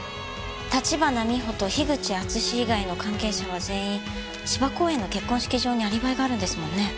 立花美穂と口淳史以外の関係者は全員芝公園の結婚式場にアリバイがあるんですもんね。